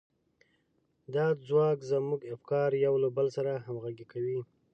دا ځواک زموږ افکار يو له بل سره همغږي کوي.